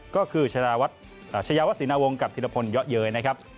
ก็คือชายวัดศรีนาวงศ์กับธิรพลเยอะเยยนะครับ